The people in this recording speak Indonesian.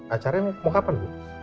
acaranya mau kapan bu